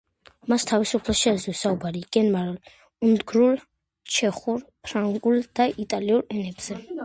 მას თავისუფლად შეეძლო საუბარი გერმანულ, უნგრულ, ჩეხურ, ფრანგულ და იტალიურ ენებზე.